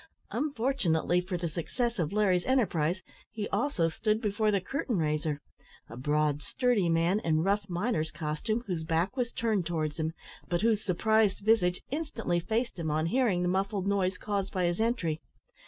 Unfortunately for the success of Larry's enterprise, he also stood before the curtain raiser a broad, sturdy man, in rough miner's costume whose back was turned towards him, but whose surprised visage instantly faced him on hearing the muffled noise caused by his entry.